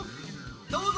どうぞ！